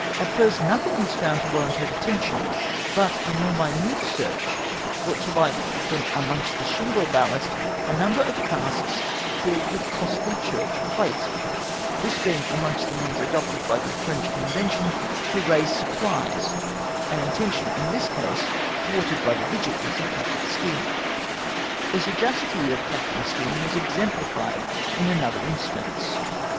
At first, nothing was found to warrant her detention, but a more minute search brouccht to hixlit from amonn; st the shmglo ballast, a number of casks filled with costly church plate ; this bemg amongst the means adopted by the French Convention to raise supphes, an intention in this case thwarted by the vigilance of Captain Skene. PASS EXMIINATION FOR LIEUTENANT. 67 The sagacity of Captain Skene was exemplified in another instance.